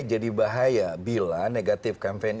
bahaya bila negatif campaign